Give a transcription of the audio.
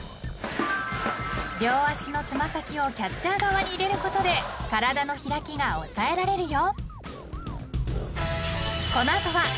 ［両足の爪先をキャッチャー側に入れることで体の開きが抑えられるよ］